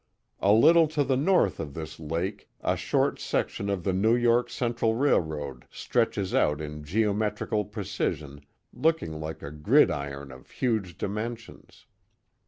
A little to the north of this lake a short section of the New York Central Rnilroad stretches out in geometrical precision looking like a gridiron of huge dimensions.